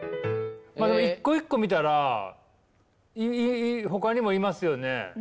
一個一個見たらほかにもいますよね。